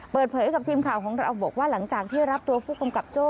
เปิดเผยกับทีมข่าวของเราบอกว่าหลังจากที่รับตัวผู้กำกับโจ้